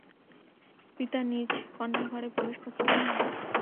পিতা নিজ কন্যার ঘরে প্রবেশ করতে পারে না?